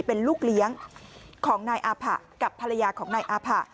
เป็นลูกเลี้ยงของนายอาผะกับภรรยาของนายอาผะ